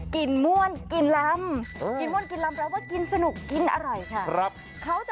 กับกิจกรรมฝากร้านกับไทยรัฐ